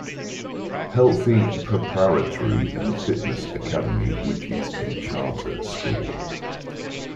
Healthy Preparatory and Fitness Academy which is a charter school.